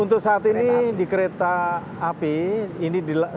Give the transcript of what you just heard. untuk saat ini di kereta api ini sedang dilakukan penyelamatan